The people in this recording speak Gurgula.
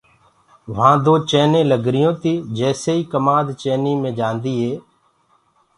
وهآ دو چيني لگريٚونٚ تي جيسي ئي ڪمآد چينيٚ مي جآنديٚ۔